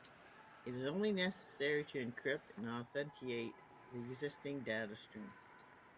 It is only necessary to encrypt and authenticate the existing data stream.